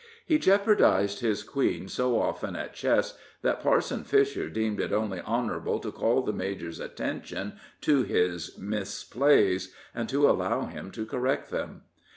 He jeopardized his queen so often at chess that Parson Fisher deemed it only honorable to call the major's attention to his misplays, and to allow him to correct them.